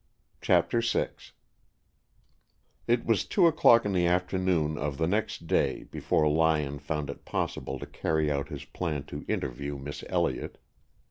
CHAPTER VI It was two o'clock in the afternoon of the next day before Lyon found it possible to carry out his plan to interview Miss Elliott.